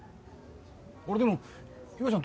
あれでも岩ちゃん